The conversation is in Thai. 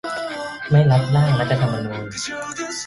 ไม่รับร่างรัฐธรรมนูญ